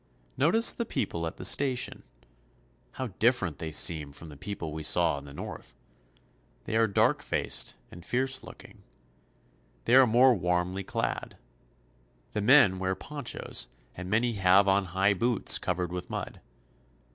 Notice the people at the station. How different they seem from the people we saw in the north! They are dark faced and fierce looking. They are more warmly clad. The men wear ponchos, and many have on high boots covered with mud.